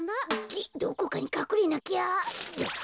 げっどこかにかくれなきゃ。